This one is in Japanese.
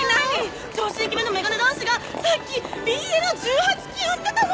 長身イケメンの眼鏡男子がさっきＢＬの１８禁売ってたの！